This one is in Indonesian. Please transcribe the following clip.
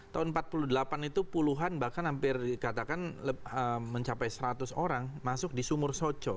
tahun seribu sembilan ratus empat puluh delapan itu puluhan bahkan hampir dikatakan mencapai seratus orang masuk di sumur soco